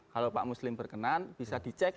kalau pak muslim berkenan bisa dicek